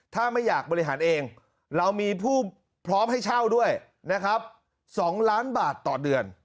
ถ้าไม่อยากบริหารเองเรามีผู้พร้อมให้เช่าด้วยนะครับ๒ล้านบาทต่อเดือน